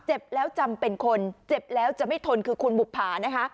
เจ็บแล้วจำเป็นคนเจ็บแล้วจะไม่ทนคือคุณบุภานะคะ